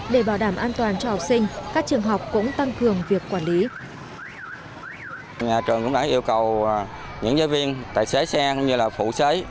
để bảo đảm an toàn cho học sinh các trường học cũng tăng cường việc quản lý